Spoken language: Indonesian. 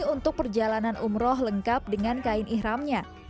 untuk perjalanan umroh lengkap dengan kain ihramnya